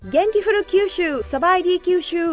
เย็นกิฟุรุคิวชูสบายที่คิวชู